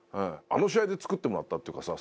あの試合で作ってもらったっていうかさ